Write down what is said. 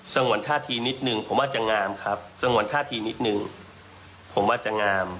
งวนท่าทีนิดนึงผมว่าจะงามครับสงวนท่าทีนิดนึงผมว่าจะงาม